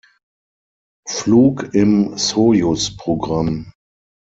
Flug im Sojusprogramm.